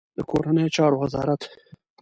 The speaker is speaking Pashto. د کورنیو چارو وزارت